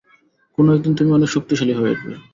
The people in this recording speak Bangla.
কোনো একদিন তুমি অনেক শক্তিশালী হয়ে উঠবে।